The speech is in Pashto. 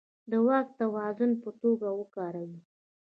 د واک د توازن په توګه وکاروي.